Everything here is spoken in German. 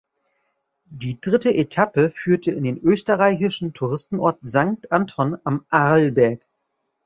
Die dritte Etappe führte in den österreichischen Touristenort Sankt Anton am Arlberg.